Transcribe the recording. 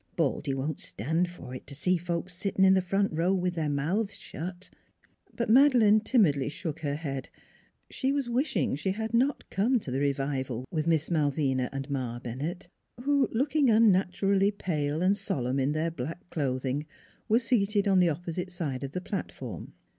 " Baldy won't stan' for it t' see folks sitting in the front row with their mouths shut." But Madeleine timidly shook her head: she was wishing she had not come to the revival with Miss Malvina and Ma Bennett, who, looking unnaturally pale and solemn in their black cloth ing, were seated on the opposite side of the plat form.